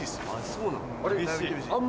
そうなの？